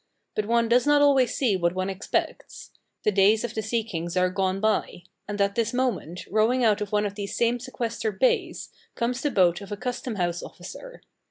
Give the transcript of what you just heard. But one does not always see what one expects. The days of the sea kings are gone by; and at this moment, rowing out of one of these same sequestered bays, comes the boat of a custom house officer.